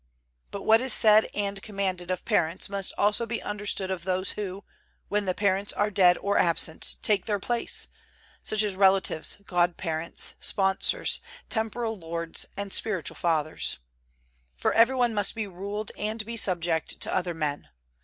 But what is said and commanded of parents must also be understood of those who, when the parents are dead or absent, take their place, such as relatives, god parents, sponsors, temporal lords and spiritual fathers. For every one must be ruled and be subject to other men.